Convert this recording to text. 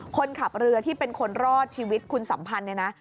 คนขับเรือที่เป็นคนรอดชีวิตคุณสัมพันธ์เนี่ยนะ